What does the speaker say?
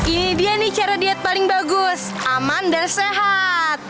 ini dia nih cara diet paling bagus aman dan sehat